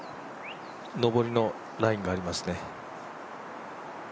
上りのラインがありますね。